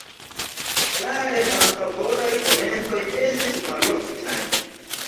Klare malfavoraj komentoj estis maloftaj.